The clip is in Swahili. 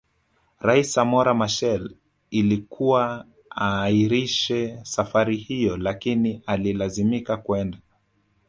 Rais Samora Machel Ilikuwa aahirishe safari hiyo lakini alilazimika kwenda